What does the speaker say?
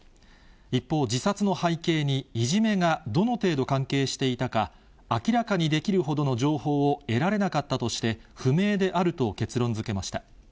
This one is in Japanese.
一方、自殺の背景にいじめがどの程度関係していたか、明らかにできるほどの情報を得られなかったとして、不明であると結論づけました。